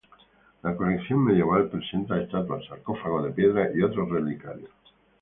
La colección medieval presenta estatuas, sarcófagos de piedra y otros relicarios.